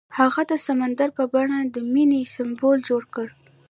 هغه د سمندر په بڼه د مینې سمبول جوړ کړ.